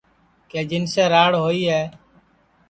کہ جنسے راڑ ہوئی ہے